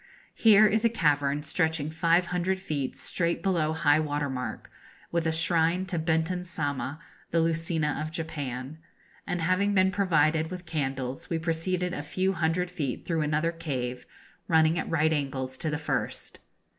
Here is a cavern stretching 500 feet straight below high water mark, with a shrine to Benton Sama, the Lucina of Japan; and having been provided with candles, we proceeded a few hundred feet through another cave, running at right angles to the first.